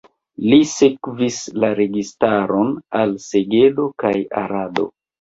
Li sekvis la registaron al Segedo kaj Arado.